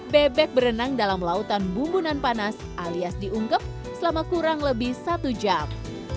bebek berenang dalam lautan bumbunan panas alias diungkep selama kurang lebih satu jam